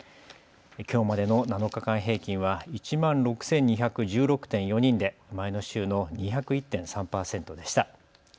きょうまでの７日間平均は１万６２１６．４人で前の週の２０１．３％でした。